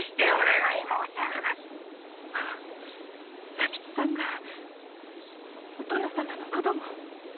左吉さんがお殿様の子供‼